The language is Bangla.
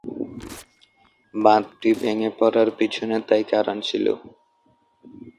বাঁধটি ভেঙে পড়ার পেছনে তাই কারণ ছিলো।